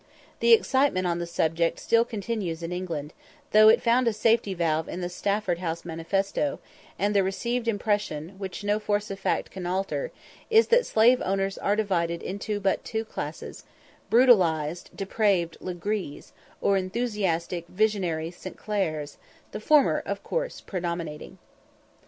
] The excitement on the subject still continues in England, though it found a safety valve in the Stafford House manifesto, and the received impression, which no force of fact can alter, is, that slave owners are divided into but two classes brutalised depraved "Legrees," or enthusiastic, visionary "St. Clairs" the former, of course, predominating.